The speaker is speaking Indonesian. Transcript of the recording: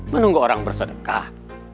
menunggu orang bersedekah